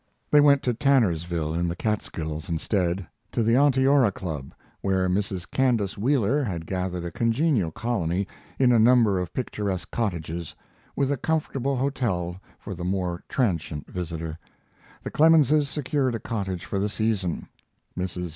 They went to Tannersville in the Catskills, instead to the Onteora Club, where Mrs. Candace Wheeler had gathered a congenial colony in a number of picturesque cottages, with a comfortable hotel for the more transient visitor. The Clemenses secured a cottage for the season. Mrs.